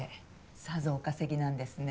さぞお稼ぎなんですね。